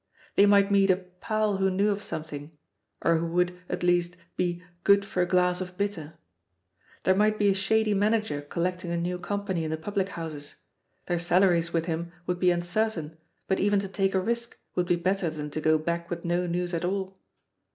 They might meet a "pal who knew of something," or who would, at least, be "good for a glass of bitter." There might be a shady manager col lecting a new company in the public houses; THE POSITION OF PEGGY HARPER «1 fheir salaries with him would be uncertain, but even to take a risk would be better than to go back with no news at all.